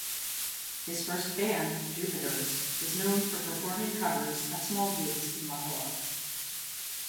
His first band 'Jupiters' was known for performing covers at small gigs in Lahore.